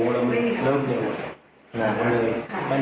รออยู่เร็วที่ข้างซ้ายวันรอได้เยอะ